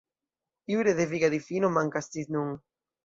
Jure deviga difino mankas ĝis nun.